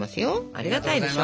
ありがたいでしょ？